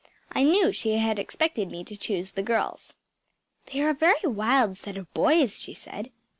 I knew she had expected me to choose the girls. “They are a very wild set of boys,‚ÄĚ she said.